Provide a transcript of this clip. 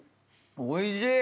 おいしい。